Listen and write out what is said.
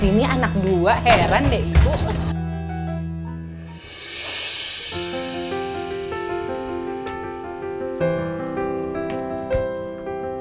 sini anak dua heran deh ibu